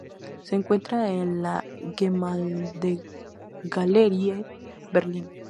Se encuentra en la Gemäldegalerie, Berlín.